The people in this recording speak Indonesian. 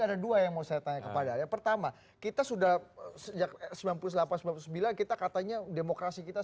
ada dua yang mau saya tanya kepada anda pertama kita sudah sejak seribu sembilan ratus sembilan puluh delapan sembilan puluh sembilan kita katanya demokrasi kita